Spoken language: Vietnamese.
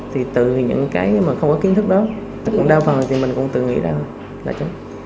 thì từ những cái mà không có kiến thức đó tất cả đa phần thì mình cũng tự nghĩ ra thôi